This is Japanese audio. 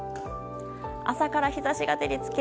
朝から日差しが照り付け